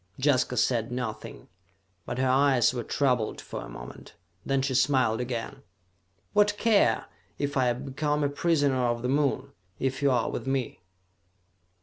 Jaska said nothing, but her eyes were troubled for a moment. Then she smiled again. "What care I if I become a prisoner on the Moon, if you are with me?"